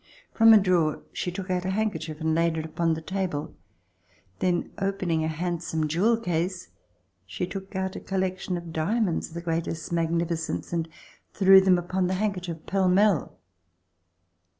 From a drawer she took out a handkerchief and laid it upon the table. Then opening a handsome jewel case, she took out a collection of diamonds of the greatest magnificence and threw them upon the handkerchief pell mell.